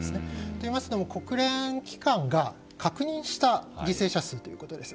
といいますのも、国連機関が確認した犠牲者数ということです。